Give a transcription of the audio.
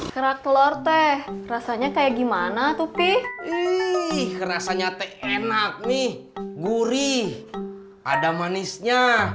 keras telor teh rasanya kayak gimana tuh pih ih rasanya teh enak nih gurih ada manisnya